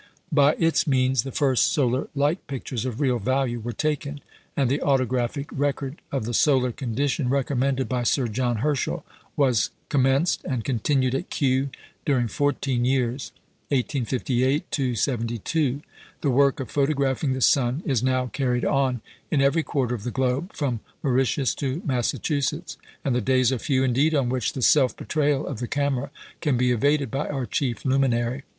By its means the first solar light pictures of real value were taken, and the autographic record of the solar condition recommended by Sir John Herschel was commenced and continued at Kew during fourteen years 1858 72. The work of photographing the sun is now carried on in every quarter of the globe, from Mauritius to Massachusetts, and the days are few indeed on which the self betrayal of the camera can be evaded by our chief luminary.